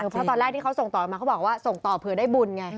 เพราะตอนแรกที่เขาส่งต่อมาเขาบอกว่าส่งต่อเผื่อได้บุญไง